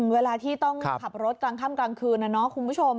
เวลาที่ต้องขับรถกลางค่ำกลางคืนนะเนาะคุณผู้ชม